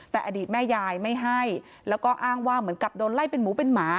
แต่อดีตแม่ยายไม่ให้แล้วก็อ้างว่าเหมือนกับโดนไล่เป็นหมูเป็นหมา